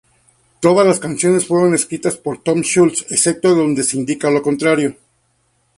Todas las canciones fueron escritas por Tom Scholz, excepto donde se indica lo contrario.